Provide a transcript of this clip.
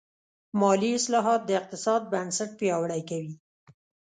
مالي اصلاحات د اقتصاد بنسټ پیاوړی کوي.